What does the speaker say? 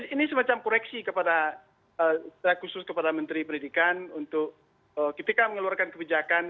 ini semacam koreksi kepada khusus kepada menteri pendidikan untuk ketika mengeluarkan kebijakan